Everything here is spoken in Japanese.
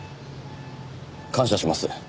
感謝します。